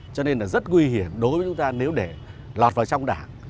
cho nên là rất nguy hiểm đối với chúng ta nếu để lọt vào trong đảng